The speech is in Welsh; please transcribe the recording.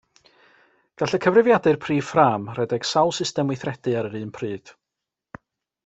Gall y cyfrifiadur prif ffrâm redeg sawl system weithredu ar yr un pryd.